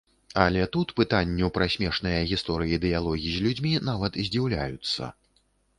Але тут пытанню пра смешныя гісторыі-дыялогі з людзьмі нават здзіўляюцца.